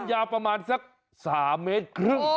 ยาวประมาณสัก๓เมตรครึ่ง